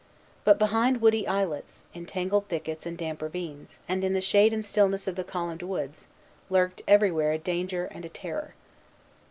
But behind woody islets, in tangled thickets and damp ravines, and in the shade and stillness of the columned woods, lurked everywhere a danger and a terror.